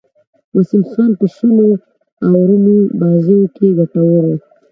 وسیم خان په شلو آورونو بازيو کښي ګټور وو.